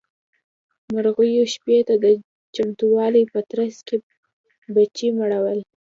مرغيو شپې ته د چمتووالي په ترڅ کې بچي مړول.